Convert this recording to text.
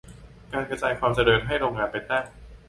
การ "กระจายความเจริญ" ให้โรงงานไปตั้ง